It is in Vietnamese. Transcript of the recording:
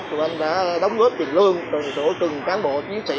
tụi anh đã đóng góp tiền lương rồi tụi cán bộ chiến sĩ